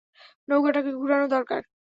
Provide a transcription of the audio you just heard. নৌকাটাকে ঘুরানো দরকার।